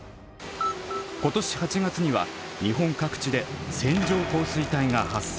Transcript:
今年８月には日本各地で線状降水帯が発生。